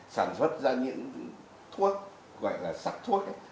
sản xuất ra những thuốc gọi là sắc thuốc